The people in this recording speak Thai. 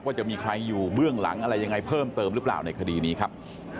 ว่าจะมีใครอยู่เบื้องหลังอะไรยังไงเพิ่มเติมหรือเปล่าในคดีนี้ครับ